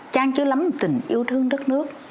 trang trứ lắm tình yêu thương đất nước